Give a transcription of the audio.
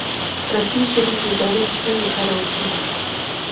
رسمي ژبې په اداره کې څنګه کارول کیږي؟